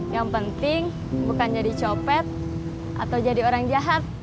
yang penting bukan jadi copet atau jadi orang jahat